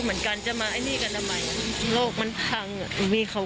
เหมือนกันจะมาไอ้นี่กันทำไมโลกมันพังอ่ะพี่เขา